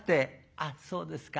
「あっそうですか。